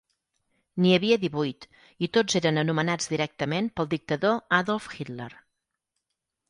N'hi havia divuit, i tots eren anomenats directament pel dictador Adolf Hitler.